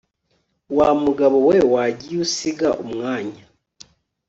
Wamugabo we ko wagiye usiga umwanya